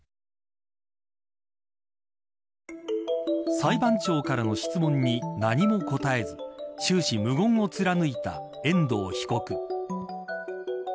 裁判長からの質問に何も答えず終始無言を貫いた遠藤被告。